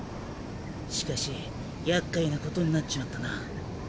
しかしやっかいなことになっちまったな。